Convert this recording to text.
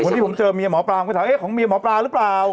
วันนี้ผมเจอเมียหมอปลาผมก็ถามเอ๊ะของเมียหมอปลาหรือเปล่า